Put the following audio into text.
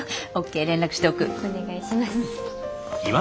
お願いします。